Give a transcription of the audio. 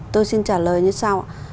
tôi xin trả lời như sau